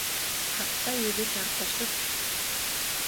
Ҡаҡса йөҙө тартышып